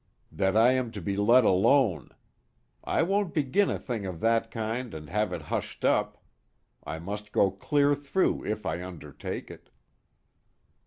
"That I am to be let alone. I won't begin a thing of that kind, and have it hushed up. It must go clear through if I undertake it."